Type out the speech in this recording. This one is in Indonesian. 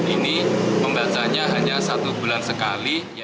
dan ini membacanya hanya satu bulan sekali